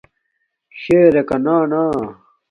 شیر راکانا نا